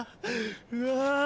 うわ！